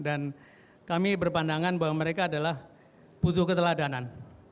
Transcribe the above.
dan kami berpandangan bahwa mereka adalah butuh keteladanan